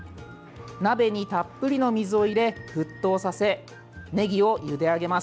鍋にたっぷりの水を入れ沸騰させ、ねぎをゆで上げます。